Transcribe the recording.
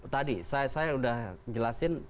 tadi saya sudah jelasin